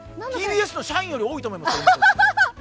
ＴＢＳの社員より多いと思います。